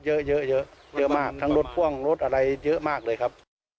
เยอะเยอะเยอะมากทั้งรถพ่วงรถอะไรเยอะมากเลยครับ